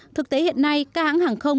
thực tế hiện nay các hãng hàng không